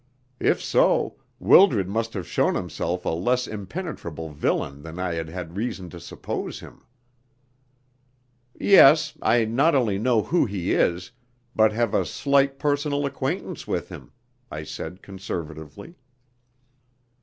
If so, Wildred must have shown himself a less impenetrable villain than I had had reason to suppose him. "Yes, I not only know who he is, but have a slight personal acquaintance with him," I said conservatively.